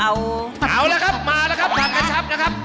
เอาละครับมาแล้วครับฟังกระชับนะครับ